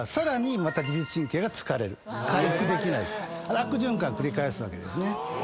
悪循環繰り返すわけですね。